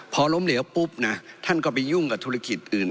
พอล้มเหลวปุ๊บนะท่านก็ไปยุ่งกับธุรกิจอื่น